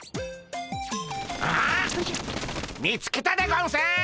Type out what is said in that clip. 見つけたでゴンス！